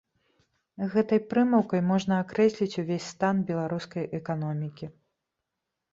Гэтай прымаўкай можна акрэсліць увесь стан беларускай эканомікі.